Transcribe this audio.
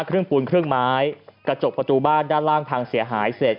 ปูนครึ่งไม้กระจกประตูบ้านด้านล่างพังเสียหายเสร็จ